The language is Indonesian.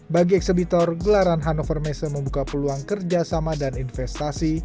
bagi eksebitor gelaran hannover messe membuka peluang kerjasama dan investasi